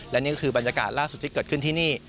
และนี่ก็คือบรรยากาศล่าสุดที่เกิดขึ้นที่นี่